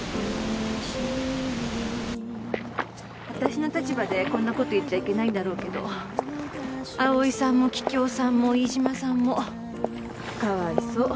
私の立場でこんな事言っちゃいけないんだろうけど葵さんも桔梗さんも飯島さんも可哀想。